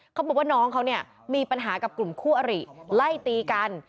เขาบอกว่าน้องเขาเนี่ยมีปัญหากับกลุ่มคู่อริไล่ตีกัน